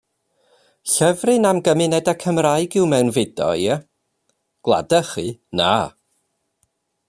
Llyfryn am gymunedau Cymraeg yw Mewnfudo, Ie; Gwladychu, Na!